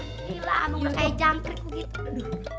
gila anu kayak jamkrik gitu